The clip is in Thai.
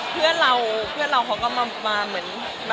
ผู้รู้จักเราคุยกับเพื่อน๑๙๔๐น